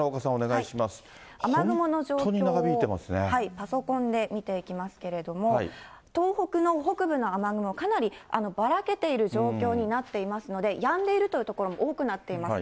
雨雲の情報をパソコンで見ていきますけれども、東北の北部の雨雲、かなりばらけている状況になっていますので、やんでいるという所も多くなっています。